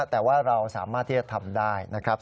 แต่ว่าเราสามารถที่จะทำได้นะครับ